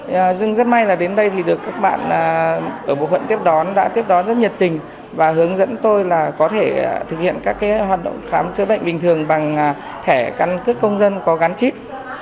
tôi rất may là đến đây thì được các bạn ở bộ phận tiếp đón đã tiếp đón rất nhiệt tình và hướng dẫn tôi là có thể thực hiện các hoạt động khám chữa bệnh bình thường bằng thẻ căn cước công dân có gắn chip